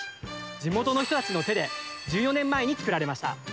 地元の人たちの手で１４年前に作られました。